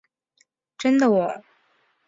真的喔！